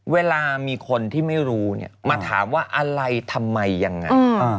เวลามีคนที่ไม่รู้เนี่ยมาถามว่าอะไรทำไมยังไง